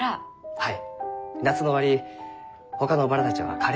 はい。